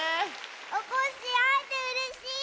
おこっしぃあえてうれしい。